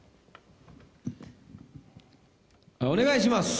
お願いします。